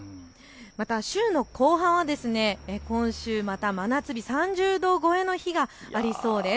また週の後半は今週また真夏日３０度超えの日がありそうです。